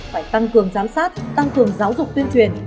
phải tăng cường giám sát tăng cường giáo dục tuyên truyền